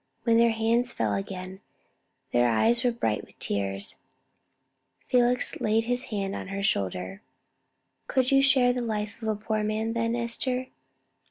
When their hands fell again, their eyes were bright with tears. Felix laid his hand on her shoulder. "Could you share the life of a poor man, then, Esther?"